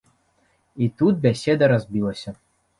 І тут бяседа разбілася.